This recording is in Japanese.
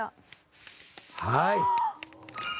はい！